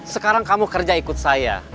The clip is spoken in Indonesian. sekarang kamu kerja ikut saya